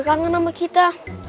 jangan nama kita